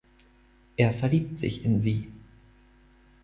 Er verliebt sich in sie.